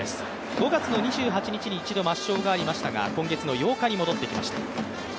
５月の２８日に、一度抹消がありましたが今月の８日に戻ってきました。